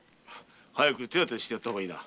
早く手当てしてやった方がいいな。